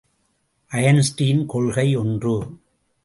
Einstein கொள்கை ஒன்று.